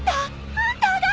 ハンターが！